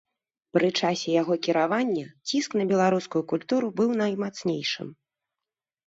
Пры часе яго кіравання ціск на беларускую культуру быў наймацнейшым.